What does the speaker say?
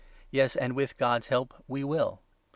Yes and, with God's 3 help, we will.